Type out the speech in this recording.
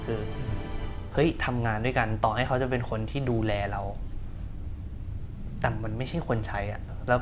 คือเฮ้ยทำงานด้วยกันต่อให้เขาจะเป็นคนที่ดูแลเราแต่มันไม่ใช่คนใช้อ่ะ